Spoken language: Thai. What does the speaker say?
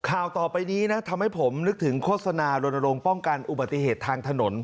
ข่าวต่อไปนี้นะทำให้ผมนึกถึงโฆษณารณรงค์ป้องกันอุบัติเหตุทางถนน